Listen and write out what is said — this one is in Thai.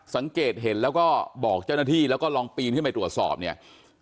สังเกตเห็นแล้วก็บอกเจ้าหน้าที่แล้วก็ลองปีนขึ้นไปตรวจสอบเนี่ย